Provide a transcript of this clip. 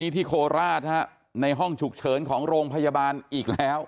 ที่โคราชในห้องฉุกเฉินของโรงพยาบาลอีกแล้ว